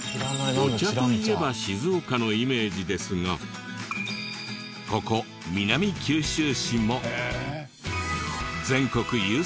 お茶といえば静岡のイメージですがここ南九州市も。